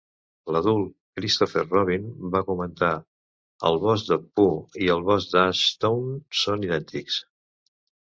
L'adult Christopher Robin va comentar: "El bosc de Pooh i el bosc d'Ashdown són idèntics".